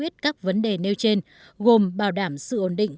theo trên gồm bảo đảm sự ổn định